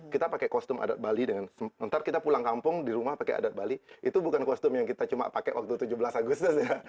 kita pakai kostum adat bali dengan sementara kita pulang kampung di rumah pakai adat bali itu bukan kostum yang kita cuma pakai waktu tujuh belas agustus ya